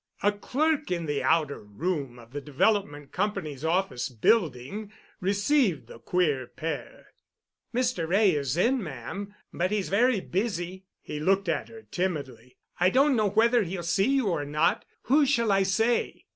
A clerk in the outer room of the Development Company's office building received the queer pair. "Mr. Wray is in, ma'am, but he's very busy." He looked at her timidly. "I don't know whether he'll see you or not. Who shall I say?"